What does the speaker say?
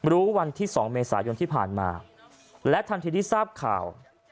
รู้วันที่๒เมษายนที่ผ่านมาและทันทีที่ทราบข่าว